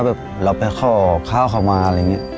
แบบเราไปขอข้าวเขามาอะไรอย่างนี้